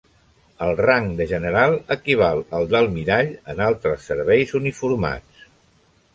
El rang de general equival al d'almirall en altres serveis uniformats.